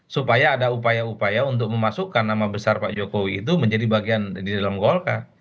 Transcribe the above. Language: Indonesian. supaya ada upaya upaya untuk memasukkan nama besar pak jokowi itu menjadi bagian di dalam golkar